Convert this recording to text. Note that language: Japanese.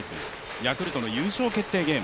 ヤクルトの優勝決定ゲーム。